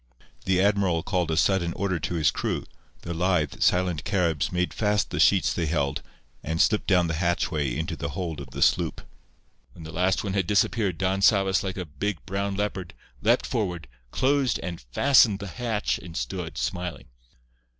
The admiral called a sudden order to his crew. The lithe, silent Caribs made fast the sheets they held, and slipped down the hatchway into the hold of the sloop. When the last one had disappeared, Don Sabas, like a big, brown leopard, leaped forward, closed and fastened the hatch and stood, smiling.